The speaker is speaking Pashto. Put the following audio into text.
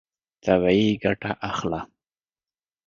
طبیعي ګټه اخله.